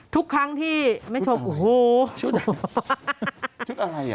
ทุกครั้งที่ไม่ชมพู่โอโฮฮ่า